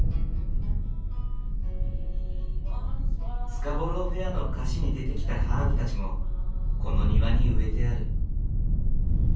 「スカボロー・フェア」の歌詞に出てきたハーブたちもこの庭に植えてある。